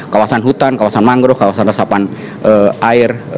kawasan hutan kawasan mangrove kawasan resapan air